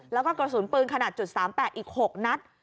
แล้วก็กระสุนปืนขนาด๓๘อีก๖นัด